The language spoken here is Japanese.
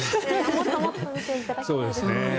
もっともっと見ていただきたいですね。